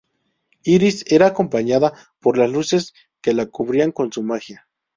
Iris era acompañada por las luces que la cubrían con su magia.